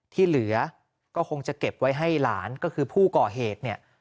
ที่เหลือก็คงจะเก็บไว้ให้หลานก็คือผู้ก่อเหตุเนี่ย